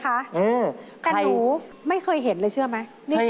แต่หนูไม่เคยเห็นเลยเชื่อไหม